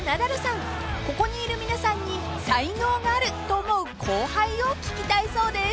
［ここにいる皆さんに才能がある！と思う後輩を聞きたいそうです］